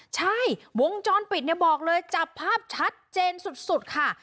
ใช่วงจรปิดเนี่ยบอกเลยจับภาพชัดเจนสุดค่ะ